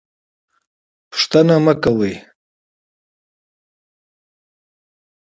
سوال مه کوئ